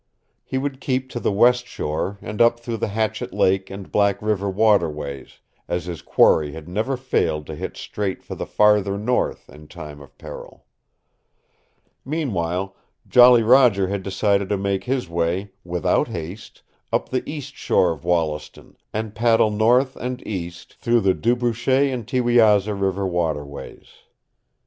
He would keep to the west shore, and up through the Hatchet Lake and Black River waterways, as his quarry had never failed to hit straight for the farther north in time of peril. Meanwhile Jolly Roger had decided to make his way without haste up the east shore of Wollaston, and paddle north and east through the Du Brochet and Thiewiaza River waterways.